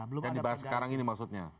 dan dibahas sekarang ini maksudnya